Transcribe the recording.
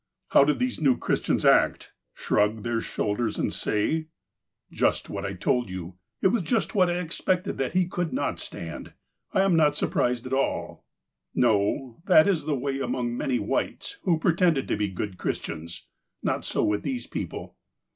How did these new Christians act ?— shrug their shoul ders, and say :'' Just what I told you. It is just what I expected, that he could not stand. I am not at all surprised "? No. That is the way among many Whites, who pre tend to be good Christians. Not so these people.